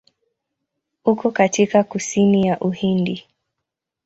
Uko katika kusini ya Uhindi.